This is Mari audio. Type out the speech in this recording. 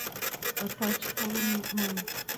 Таче толын, маныт.